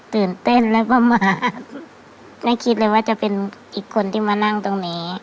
ตื่นเต้นแล้วประมาณไม่คิดเลยว่าจะเป็นอีกคนที่มานั่งตรงนี้